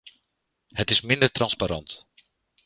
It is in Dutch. Het is minder transparant.